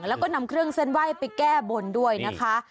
แล้วก็นำเครื่องเส้นไหว้ไปแก้บนด้วยนะคะ